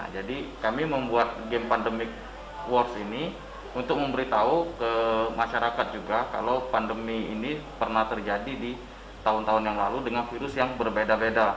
kami membuat game pandemic awards ini untuk memberitahu ke masyarakat juga kalau pandemi ini pernah terjadi di tahun tahun yang lalu dengan virus yang berbeda beda